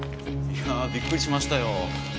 いやあびっくりしましたよ。